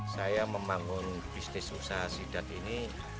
saya membangun bisnis usaha sidak ini